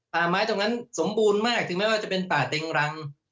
ป่าไม้ตรงนั้นสมบูรณ์มากถึงแม้ว่าจะเป็นป่าเต็งรัง